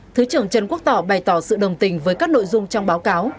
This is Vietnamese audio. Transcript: thứ trưởng trần quốc tỏ bày tỏ sự đồng tình với các nội dung trong báo cáo